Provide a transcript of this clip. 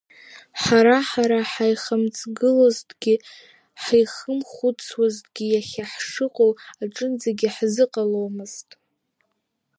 Ҳара-ҳара ҳаихамҵгылозҭгьы, ҳаихымхәыцуазҭгьы иахьа ҳшыҟоу аҿынӡагьы ҳзыҟаломызт.